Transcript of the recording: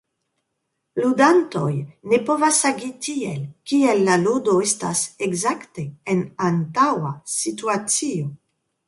Ludantoj ne povas agi tiel, kiel la ludo estas ekzakte en antaŭa situacio.